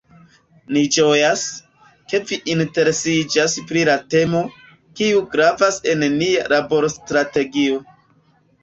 Ni ĝojas, ke vi interesiĝas pri la temo, kiu gravas en nia laborstrategio.